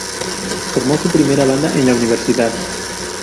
Formó su primera banda en la universidad.